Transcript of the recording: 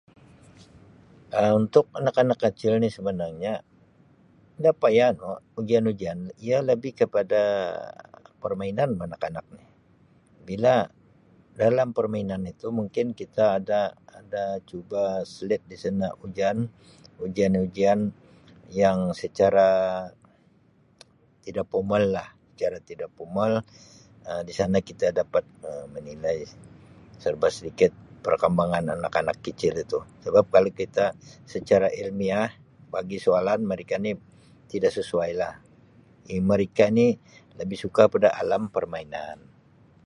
Um Untuk anak-anak kecil ni sebenarnya nda payah anu ujian-ujian ia lebih kepada permainan bah anak-anak ni bila dalam permainan itu mungkin kita ada ada cuba selit di sana ujian ujian-ujian yang secara tidak formal lah secara tidak formal Um di sana kita dapat Um menilai serba sedikit perkembangan anak-anak kicil itu sebab kalau kita secara ilmiah bagi soalan mereka ni tidak sesuai lah mereka ni lebih suka pada alam permainan.